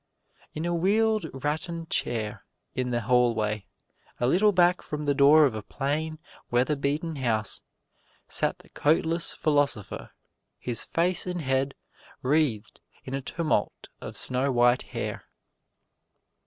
In a wheeled rattan chair, in the hallway, a little back from the door of a plain, weather beaten house, sat the coatless philosopher, his face and head wreathed in a tumult of snow white hair.